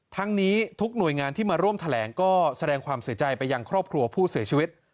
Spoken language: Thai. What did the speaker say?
ทั้งนี้ทุกหน่วยงานที่มาร่วมแถลงก็แสดงความเสียใจไปยังครอบครัวผู้เสียชีวิต